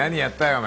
お前。